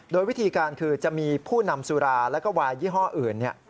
โดยวิธีการคือจะมีผู้นำสุราแล้วก็วายยี่ห้ออื่น